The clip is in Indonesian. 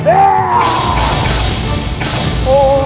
kita dapat pajajaran